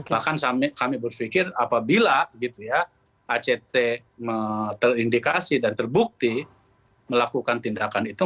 bahkan kami berpikir apabila act terindikasi dan terbukti melakukan tindakan itu